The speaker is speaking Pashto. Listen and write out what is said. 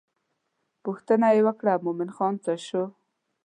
پوښتنه یې وکړه مومن خان څه شو.